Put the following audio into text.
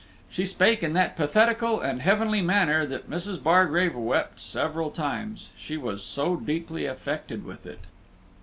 She spake in that pathetical and heavenly manner that Mrs. Bargrave wept several times, she was so deeply affected with it.